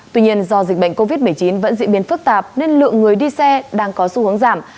tuy nhiên do dịch bệnh covid một mươi chín vẫn diễn biến phức tạp nên lượng người đi xe đang có xu hướng giảm